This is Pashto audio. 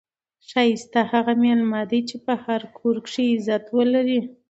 ښایسته هغه میلمه دئ، چي په هر کور کښي عزت ولري.